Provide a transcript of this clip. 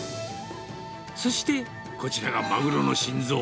そして、こちらがマグロの心臓。